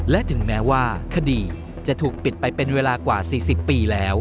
และถึงแม้ว่าคดีจะถูกปิดไปเป็นเวลากว่า๔๐ปีแล้ว